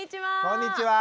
こんにちは。